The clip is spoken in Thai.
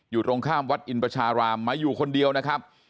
อยู่ตรงข้ามวัดอินประชารามมาอยู่คนเดียวนะครับ